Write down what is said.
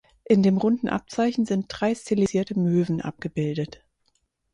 In dem runden Abzeichen sind drei stilisierte Möwen abgebildet.